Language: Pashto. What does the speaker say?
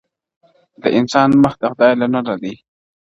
o د انسان مخ د خداى له نوره دئ!